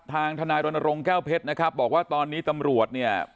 ทนายรณรงค์แก้วเพชรนะครับบอกว่าตอนนี้ตำรวจเนี่ย